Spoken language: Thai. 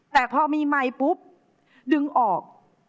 แต่พอมีไมค์ปุ๊บดึงออก